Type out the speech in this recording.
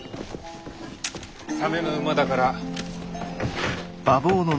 魚目の馬だから。